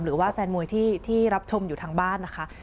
หรือว่าแฟนมวยที่รับชมอยู่ทางบ้านนะคะ